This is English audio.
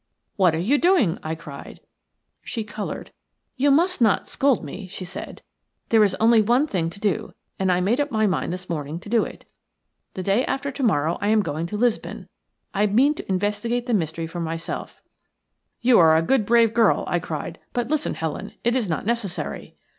"What are you doing?" I cried. She coloured. "You must not scold me," she said. "There is only one thing to do, and I made up my mind this morning to do it. The day after to morrow I am going to Lisbon. I mean to investigate the mystery for myself." "'YOU MUST NOT SCOLD ME,' SHE SAID." "You are a good, brave girl," I cried. "But listen, Helen; it is not necessary."